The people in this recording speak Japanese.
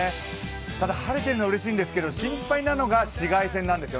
ただ晴れてるのはうれしいんですが、心配なのは紫外線なんです。